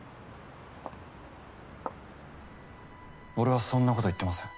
俺はそんなこと言ってません